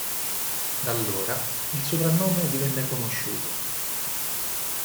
Da allora il soprannome divenne conosciuto.